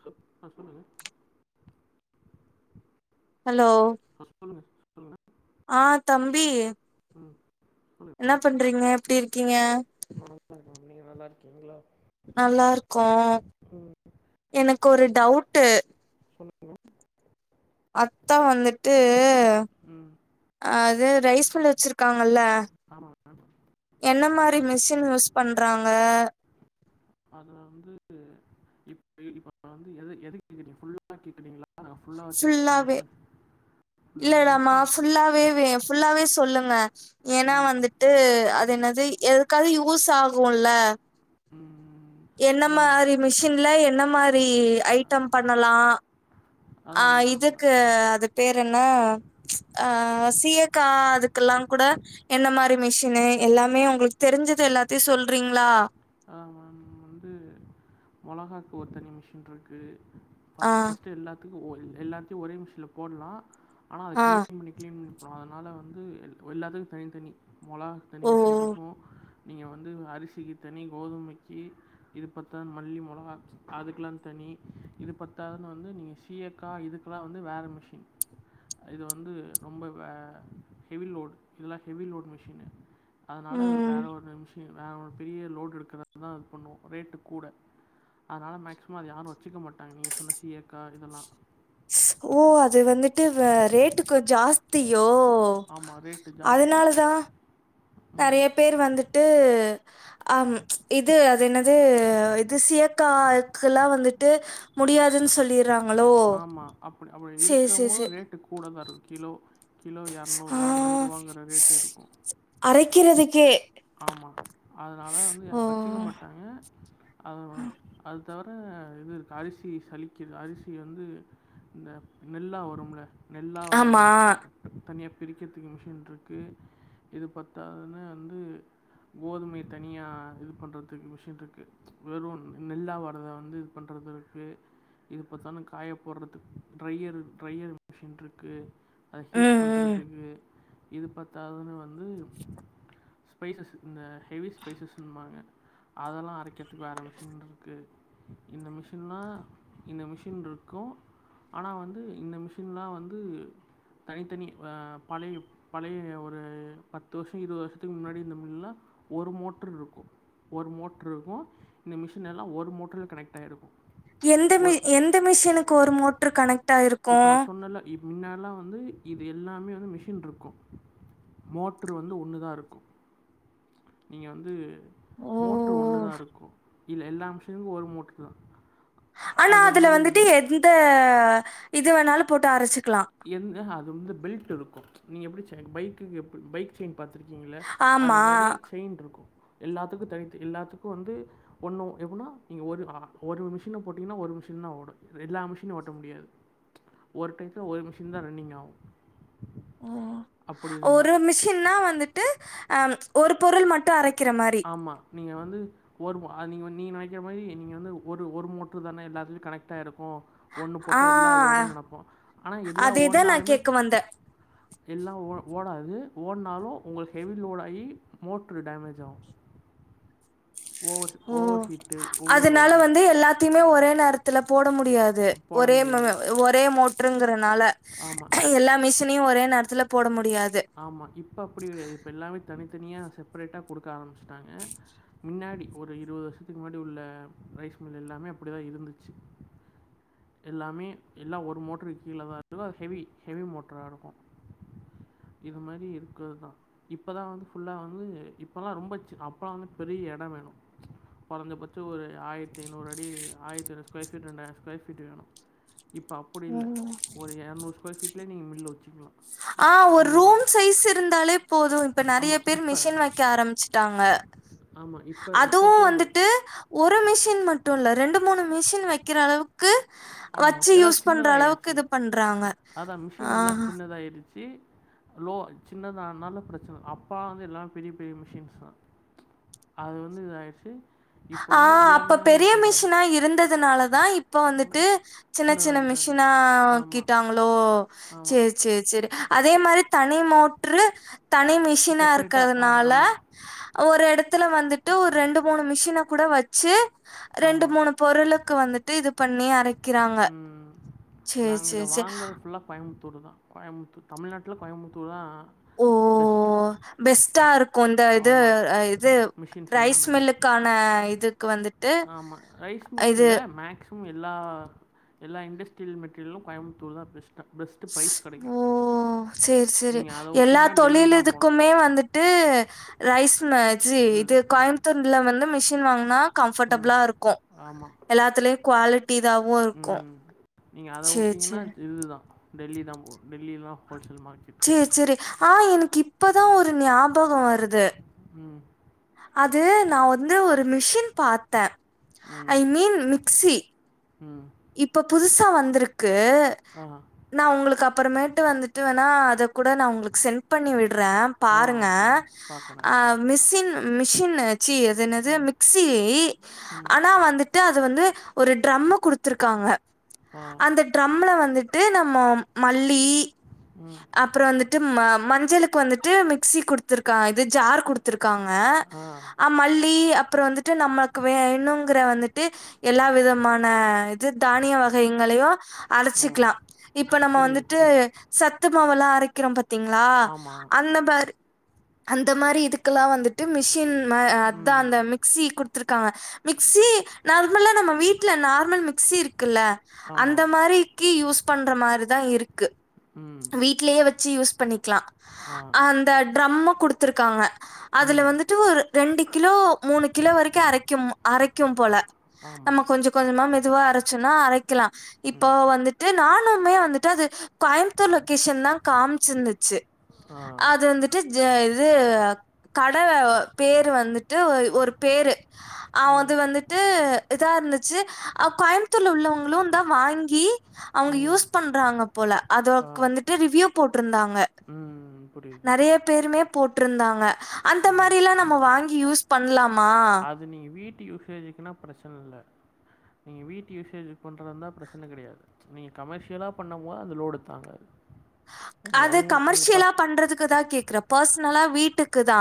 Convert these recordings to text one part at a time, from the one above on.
Hello ஆ சொல்லுங்க hello ஆ சொல்லுங்க சொல்லுங்க ஆ தம்பி ம் சொல்லு இப்ப என்ன பண்றீங்க எப்டி இருக்கீங்க நா நல்லா இருக்கேன் மேம் நீங்க நல்லா இருக்கீங்களா நல்லா இருக்கோம் ம் எனக்கு ஒரு ம் டவுட்டு சொல்லுங்க மேம் அத்தான் வந்துட்டு ம் அது ரைஸ் மில் வச்சிருக்காங்கல்ல ஆமாங்க என்ன மாரி மிஷின் யூஸ் பண்றாங்க அது வந்து இப்ப இப்போ வந்து எத எதுக்கு கேக்ரீங்க ஃபுல்லா கேக்றீங்களா ஃபுல்லா வச்சிருக்க ஃபுல்லாவே மிஷின் ஃபுல்லாக வேணா இல்லடாமா ஃபுல்லாவே ஃபுல்லாவே சொல்லுங்க ஏன்னா ம் வந்துட்டு அது என்னது எதுக்காவது யூஸ் ஆகும்ல ம் என்ன அதான் மாரி மிஷின்ல என்ன மாரி அஹ், ஐட்டம் பண்ணலா ஆ அதான் மேம் இதுக்கு அது பேர் என்ன அ சீயக்கா அதுக்கெல்லா கூட என்ன மாரி மிஷினு எல்லாமே உங்களுக் தெரிஞ்சது எல்லாத்தையு சொல்றீங்ளா ஆ வந் வந்து மொளஹாக் ஓர் தனி மிஷின்ருக்கு ஆ ஃபஸ் ஃபஸ்ட்டு எல்லாத்துக்கு ஓ எல் எல்லாத்தையு ஒரே மிஷன்ல போட்லா ஆனா அத ஆ கிளீன் பண்ணி க்ளீன் பண்ணி போட்ணு அதுனால வந்து எல் ஓ எல்லாத்துக்கு தனித்தனி மொளகாக் தனி ஓ மிஷின்ருக்கு நீங்க வந்து அரிசிக்கு தனி கோதுமைக்கு இது பத்தாதுன் மல்லி, மொளகாக் சி அதுக்குல்லா தனி இது பத்தாதுன் வந்து நீங்க சீயக்கா இதுக்குல்லா வந்து வேற மிஷின் இது வந்து ரொம்ப வே ஹெவி லோட் எல்லா ஹெவி லோட் மிஷினு அதனால ம் வேற ஒரு மிஷின் வேற ஒரு பெரிய லோடு எடுக்கறத் தா இது பண்ணுவோ ரேட்டு கூட அதனால மேக்ஸிமோ அத யாரு வெச்சிக்க மாட்டாங்க நீங்க சொன்ன சீயக்கா இதெல்லா ஓ அது வந்துட்டு வே ரேட்டு கொஞ் ஜாஸ்த்தியோ ஆமா ரேட்டு ஜாஸ்தி ம் நெறைய பேர் வந்துட்டு அம் இது அது என்னது இது சீயக்காக்குல்லா வந்துட்டு முடியாதுன் சொல்லீர் றாங்களோ ஆமா அப்டி அப்டி இருக்கவுங்களு ரேட் கூட தா இருகு கிலோ கிலோ ஆ எரநூர்ருவா நூர்ருவாங்கற ரேட் இருக்கு அரைக்கிறதுக்கே ஆமா அதுனால வந்து ஓ அ வெச்சுக்க மாட்டாங்க அது [unintelligible] அது தவுர இது அரிசி சலிக்கிறது அரிசி வந்து இந்த நெல்லா வரும்மில்ல நெல்லா வரத ஆமா எ தனிய பிரிக்கற்த்துக்கு மிஷின்ருக்கு இது பாத்தாதுன்னு வந்து கோதுமை தனியா இது பண்றதுக்கு மிஷின்ருக்கு வெறு ந் நெல்லா வரத வந்து இது பண்றதிருக்கு இது பத்தாத்னு காய போட்றத்துக் ட்ரையரு ட்ரையர் மிஷின்ருக்கு அத ஹீட் ம் ம் பண்றதுகு இது பாத்தாதுன்னு வந்து ஸ்பைஸஸ் இந்த ஹெவி ஸ்பைஸஸ்ன்பாங்க அதெல்லா அரைக்கிறத்துக்கு வேற மிஷின்ருக்கு இந்த மிஷின்னா இந்த மிஷின்ருக்கு ஆனா வந்து இந்த மிஷின்லா வந்து தனித்தனி ஆ பழையு பழைய ஒரு பத்து வர்ஷோ இருவத் வர்ஷத்துக்கு முன்னாடி ங்க மில்லா ஒரு மோட்ரு இருக்கு ஒரு மோட்ரு இருக்கு இந்த மிஷின் எல்லா ஒரு மோட்ருல கனெக்ட் ஆயிருக்கு எந்த மி எந்த மிஷினுக்கு ஒரு மோட்ரு கனெக்ட் ஆயிருக்கு முன்னல்லா வந்து இது எல்லாமே வந்து மிஷின்ருக்கு மோட்ரு வந்து ஒன்னு தா இருக்கு நீங்க வந்து ஓ! மோட்ரு ஒன்னுதா இருக்கு இந்த எல்லா மிஷினுக்கு ஒரு மோட்ரு தா ஆனா அதுல வந்துட்டு எந்த இது வேணாலு போட்டு அரச்சிக்கலா எந்த அ அது வந்து பெல்ட்டிருக்கு நீ எப்பிடி செய்ன் பைக்குக் எப்டி பைக் செய்ன் பாத்துருக்கீங்கல்ல ஆமா. அது மாரி செய்ன்ருக்கு எல்லாத்துக்கு தனித்து எல்லாத்துக்கு வந்து ஒன்னு எப்பிட்னா நீங்க ஒரு அ அ ஒரு மிஷின போட்டீங்னா ஒரு மிஷின் தா ஓடு ர் எல்லா மிஷினு ஓட்ட முடியாது ஒரு டைத்துல ஒரு மிஷின் தா ரன்னிங் ஆவு ஓ ஒரு மிஷின்னா வந்துட்டு அம் ஒரு பொருள் மட்டு அரைக்கிற மாரி ஆமா நீங்க வந்து ஒரு மோ அது நீங்கோ நீங்க நெனைக்கிற மாரி நீங்க வந்து ஒரு ஒரு மோட்ரு தான எல்லாத்துலயு கனெக்ட் ஆய்ருக்கு ஒன்னு ஆ போட்டா எல்லா ஓடுன் நெனப்போ ஆனா எல்லா அதேதான் நான் ஓடுனாலுமே கேக்க வந்தேன். எல்லா ஓ ஓடாது ஓடுனாலு ஒங்க ஹெவி லோடாகி மோட்ரு டேமேஜ் ஆகு ஓகே ஓவர் ஹீட்டு அதுனால ஓவர்லோட் குடுத்து. வந்து எல்லாத்தைமே ஒரே நேரத்துல போட முடியாது போட ஒரே ம முடியாது. ஒரே மோட் ட்ருங்கிறனால ஆமா, அ எல்லா மிஷினயு ஒரே நேரத்துல போட முடியாது ஆமா இப்ப அப்டி கெடையாது இப்ப எல்லாமே தனித்தனியா செப்பரேட்டா குடுக்க ஆரம்மிச்சுட்டாங்க மின்னாடி ஒரு இருவது வர்ஷத்துக்கு முன்னாடி உள்ள ரைஸ் மில் எல்லாமே அப்டிதா இருந்துச்சு எல்லாமே எல்லா ஒரு மோட்ருக்கு கீழ தா இருக் அது ஹெவி ஹெவி மோட்ரா இருக்கு இது மாரி இருக்கிறது தா இப்பதா வந்து ஃபுல்லா வந்து இப்பலா ரொம்ப சின் அப்பலா வந்து பெரிய எட வேணு கொறஞ்சபட்ச ஒரு ஆயரத்தி ஐநூறு அடி ஆயரத்தைநூறு ஸ்கொயர் ஃபீட் ரெண்டாயர ஸ்கொயர் ஃபீட் வேணு இப்ப அப்பிடி இல்ல ஓ! ஒரு எரநூறு ஸ்கொயர் ஃபீட்லே நீங்க மில்லு வச்சுக்கலா ஆ ஒரு ரூம் சைஸ் இருந்தாலே போது இப்ப நெறைய ஆமாம் பேர் இப்போ மிஷின் வக்கெ ஆரம்மிச்சுட்டாங்க ஆமாம் இப்போ இப்போ அதுவு போதும் வந்துட்டு ஒரு மிஷின் மட்டு இல்ல ரெண்டு மூணு மிஷின் வெக்கிற அளவுக் க்கு ஆமாம் வச்சு யூஸ் பண்ற அளவுக்கு இது பண்றாங்க அதா மிஷினெல்லா ஆ. சின்னதாயிடுச்சு லோ சின்னதானாலு பிரச்சன அப்பா வந்து எல்லாமே பெரிய பெரிய மிஷின்ஸ் தா அது வந்து இதாயிருச்சு ஆ அப்ப பெரிய மிஷினா இருந்ததுனாலதா இப்ப வந்துட்டு சின்ன சின்ன சின்னதாக்கிட்டாங்க ஆமாம் மிஷினாக்கிட்டாங் ஆமாம் சேரி சேரி சேரி அதே மாரி தனி மோட்ரு தனி மிஷி ஷினா செப்பரேட்டாக ஆ இருக்கதுனால ஆமாம் ஒரு எடத்துல வந்துட்டு ஒரு ரெண்டு மூணு மிஷின கூட வச்சு ரெண்டு ஆமாம் மூணு பொருளுக்கு வந்துட்டு இது பண்ணி அரைக் ம் நாங்க இத சரி. வாங்கறது ஃபுல்லா கோயம்முத்தூரு தா கோயமுத்தூர் தமிழ்நாட்ல கோயமுத்தூரு தா ஓ பெஸ்ட்டா இருக்கு இந்த இது ஆமாம் அ இது மிஷின்ஸ் ரைஸ் மில்லுக் க்கான இதுக்கு வந்துட் ஆமா ரைஸ்மில்ல மேக்ஸ் சிமம் எல்லா எல்லா இண்டஸ்ட்ரியல் மெட்டீரியலு கோயம்புத்தூரு தா பேஸ்ட் ட்டு பைஸ் கெடைக்கு ஓ சேரி சேரி எல்லா தொழில் தான் போகணும் இதுக்குமே வந்துட்டு ரைஸ் மே ச்சி இது கோயம் புத்தூர்ல வந்து மிஷின் வாங்குனா ம் கம்ஃபர்டபிளா இருக்கு ஆமாம் எல்லாத்துலயு குவாலிட் ம் நீங்க அத சேரி உட்டீங்கனா சேரி டெல்லி தா டெல்லிதா போனு டெல்லிதா ஹோல்சேல் மார்க்கெட் சேர் சேரி ஆனா எனக்கு இப்பதா ஒரு ஞாபக வருது ம் அது நா வந்து ஒரு மிஷின் பாத்தே ம் ஐ மீன் மிக்சி ம் இப்ப புதுசா வந்துருக்கு ஆ நா உங்களுக்கு அப்பறமேட்டு வந்துட்டு வேணா அத கூட நா உங்களுக்கு சென்ட் பண்ணி விட்றே ஆ பாருங்க ஓகே பார்க்குறேன் ஆவ் மிசின் மிஷின் ச்சீ அது என்னது மிக்சி ம் ஆனா வந்து ட்டு அது வந்து ஒரு ட்ரம்மு குடுத்துருக்காங்க ஆ அந்த ட்ரம்முல வந்துட்டு நம்ம மல்லி ம் அப்ற வந்துட்டு ம மஞ்சளுக்கு வந்துட்டு மிக்சி குடுத்துருக்கா இது ஜார் குடு த்துருக்காங்க ஆ மல்லி அப்ற வந்துட்டு நமக்கு வேணுங்குற வந்துட்டு எல்லா விதமான த் தானிய வகைங்களையு ஆ அரச்சிக்லா இப்ப நம்ம புரியுது வந்துட்டு புரியுது சத்துமாவெல்லா அரைக்கிறோ பாத்தீங்ளா ஆமாம் அந்த மாரி அந்த மாரி இது க்கல்லா வந்துட்டு மிஷின் மா அதா அந்த ம் மிக்சி குடுத்துருக்காங்க மிக்சி நார்மலா நம்ம வீட்ல நார்மல் மிக்ஸி இருக்குல்ல அந்த ஆமாம் மாரிக்கி யூஸ் பண்ற மாரிதா இருக்கு ம் வீட்லயே வச்சி யூஸ் பண்ணி க்லா ஆ அந்த ட்ரம்மு குடுத்துருக்காங்க அதுல ம் வந்துட்டு ஒரு ரெண்டு கிலோ மூணு கிலோ வரைக்கு அரைக்கும் அரைக்கும் போல நம்ம ஆமாம் கொஞ்ச கொஞ்சமா மெ துவா அரைச்சுன்னா அரைக்லா ம் இப்போ வந்துட்டு நானுமே வந்துட்டு அது கோய்ம்த்தூர் லொக்கேஷன்தா காம்ச்ந்துச்சு ஆ அது வந்துட்டு ஜ இது கட பேரு வந்துட்டு ஒ ஒரு பேரு அது ம் வந்து ட்டு இதா இருந்துச்சு அ கோய்ம்த்தூர்ல உள்ளவங்களு தா வாங்கி அவுங்க ம் யூஸ் பண்றாங்க போல ஆ அதோக்கு வந்துட்டு ரிவ்யூ போட்ருந்தாங்க ம் புரியுது பேருமே போட்ருந்தாங்க அந்த ம் மாரிலா நம்ம வாங்கி யூஸ் பண்லாமா நீங்க வீட்டு யூசேஜ்க்னா பிரச்சன இல்ல நீங்க வீட்டு யூசேஜ்க்கு பண்றதா இருந்தா பிரச்சன கிடையாது நீங்க கமர்ஷியலா பண்ணும் போது அந்த லோடு தாங்காது உங்கள் அது உங்கள் உங்கள் கமர்ஷியலா ஃபஸ்ட் பண்றதுக்குதா கேக்றே பர்ஸ்னலா வீட்டுக்குதா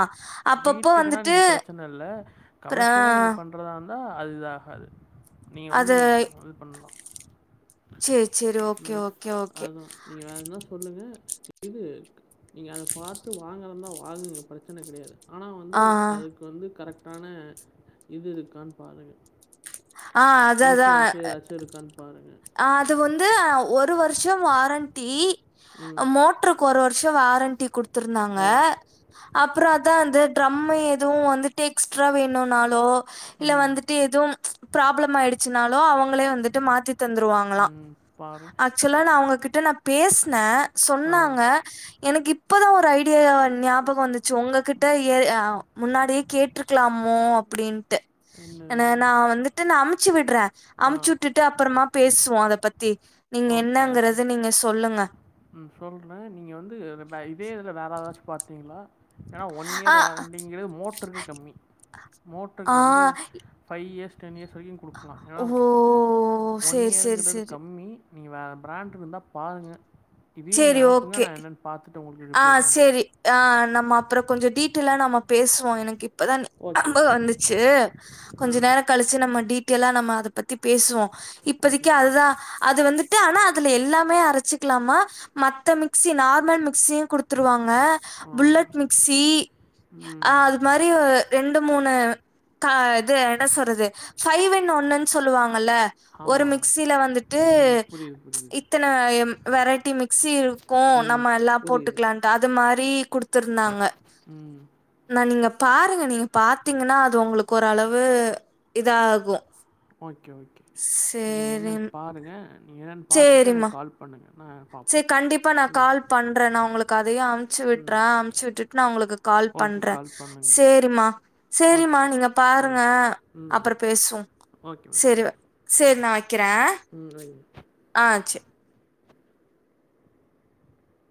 வீட்டுக்னா நீங்க பிரச்சன இல்ல அ கமர்ஷியலா நீங்க ப ன்றதா இருந்தா அது ஆகாது நீங்க வந்து அது [inaudible] பண்லா சரி சரி. ஓகே ம் ஓகே ஓகே. அதா நீங்க வேணுனா சொல்லுங்க இது நீங்க அது பாத்து வாங்கறந்தா வாங்குங்க பிரச்சன கிடையாது ஆனா வந்து ஆ. அதுக்கு வந்து கரெக்ட்டான இது இருக்கான் பாருங்க ஆ அதான் அதான் இன்சூரன்ஸ்சு ஏதாச்சு இருக்கான் பாருங்க அது வந்து அ ஒரு வர்ஷோ வாரண்ட்டி ம் மோட்ரு க்கு ஒரு வர்ஷோ வாரண்ட்டி குடுத்துருந்தாங்க ஆ அப்பறோ அதா அந்த டிரம்மு எதுவு வந்துட்டு எக்ஸ்ட்ரா வேணுனாலோ இல்ல ம் வந்துட்டு எதும் ப்ராப்ளம் ஆயிடுச்சுனாலோ அவுங்களே வந்துட்டு மாத்தி தந்துருவாங்ளா ம் பாரு ஆக்சுவலா நா அவுங்ககிட்ட நா பேசுனே ஆ சொன்னாங்க எனுக்கு இப்பதா ஒரு ஐடியா ஞாபக வந்துச்சு ஒங்ககிட்ட ஏ அ முன்னாடியே கேட்ருக்லாமோ அப்டின்ட்டு என்ன ஏனா இது? நா வந்துட்டு நா அம்ச்சுவிட்றே ஆ அம்ச்சு வுட்டுட்டு அப்பறமா பேசுவோ. அத பத்தி நீங்க ஓகே ஓகே என்னங்கறத நீங்க சொல்லுங்க ம் சொல்றே நீங்க வந்து பே இதே இதுல வேறு ஆராச்சு பாத்தீங்ளா ன்னா ஒன் ஆ, இயர் வாரண்டிங்கிற மோட்ருக்கு கம்மி மோட்ருக்கு ஆ, வந்து ஃபைவ் இயர்ஸ் டென் இயர்ஸ் வரைக்கு குடுக்கலா ஏனா ஓ! ஒன் சரி, சரி, இயருங்றது சரி. கம்மி நீ வே பிராண்ட் இருந்தா பாருங்க இதையு நீங்க சரி, அனுப்புங்க நா ஓகே. என்னென் பாத்துட்டு உங்களுக் ஆ சேரி ஆ நம்ம அப்றோ கொஞ்ச டீட்டில்லா நம்ம பேசுவோ எனக்கு இப்பதா ஓகே அம்பது ஓகே வந்துச்சு ஆ கொஞ்ச நேர கழிச்சு நம்ம டீட்டலா நம்ம அத பத்தி பேசுவோ ஓகே இப்பதிக்கு மேம் அதுதா அது வந்து ஆனா அதுல எல்லாமே அரச்சிக்கலாமா மத்த மிக்ஸி நார்மல் மிக்ஸியு குடுத் துருவாங்க ஆ புல்லட் மிக்ஸி ஆ ம் அது மாரி ரி ரெண்டு மூணு கா இது என்ன சொல்றது ஃபைவ்ன் ஒன்னுன் சொல்லுவாங்கல்ல ஒரு ஆமாம் மிக்ஸில வந்துட்டு ம் புரியுது புரியுது இத்தன வெரைட்டி மிக்ஸி இருக்கு ம் நம்ம எல்லாப் புரியுது அது மாரி குடுத்துர்ந்தாங்க ம் நா நீங்க பாருங்க நீங்க பாத்தீங்கன்னா அது உங்களுக்கு ஒரளவு இதாகு ஓகே ஓகே நீங்க சேரி என்னென் பாருங்க நீங்க என்னென் பாத்துட்டு எனக்கு கால் பண்ணுங்க என்ன செ கண்டிப்பா நா கால் பண்றேன்னா நா உங்களுக்கு அதையு அம்ச்சு ம் விட்றே அம்ச்சு விட்டுட் நா உங்களுக் கால் ஓகே பண்றே கால் பண்ணுங்கள் சேரிம்மா ஓகே சேரிம்மா நீங்க மேம் பாருங்க ம் ம் அப்புற பேசுவோ ஓகே மேம் சேரிவ ஓகே சேரி நா வெக்கிறே ம் வைங்க ஆ செர்